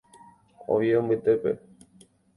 Oviedo mbytépe.